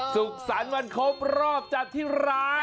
ศึกษะวันครบรอบจากที่ร้าย